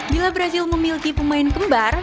bila berhasil memiliki pemain kembar